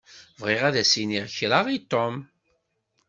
Bɣiɣ ad as-iniɣ kra i Tom.